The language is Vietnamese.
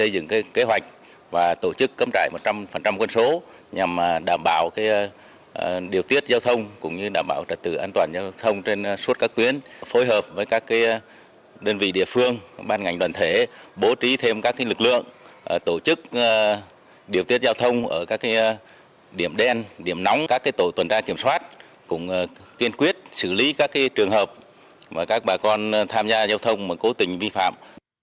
điều tiết giao thông cũng như đảm bảo trật tự an toàn giao thông trên suốt các tuyến phối hợp với các đơn vị địa phương ban ngành đoàn thể bố trí thêm các lực lượng tổ chức điều tiết giao thông ở các điểm đen điểm nóng các tổ tuần tra kiểm soát cũng tuyên quyết xử lý các trường hợp mà các bà con tham gia giao thông cố tình vi phạm